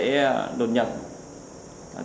thứ hai là trong nhà dân